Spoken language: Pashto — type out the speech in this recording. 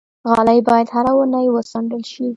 غالۍ باید هره اونۍ وڅنډل شي.